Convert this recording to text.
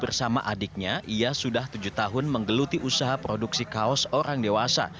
bersama adiknya ia sudah tujuh tahun menggeluti usaha produksi kaos orang dewasa